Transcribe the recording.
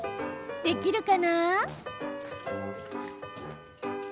できるかな？